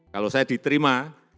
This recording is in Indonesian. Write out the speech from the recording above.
kalau saya diterima